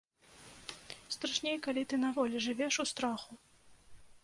Страшней, калі ты на волі жывеш у страху.